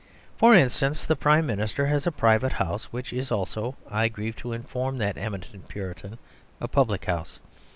For instance, the Prime Minister has a private house, which is also (I grieve to inform that eminent Puritan) a public house.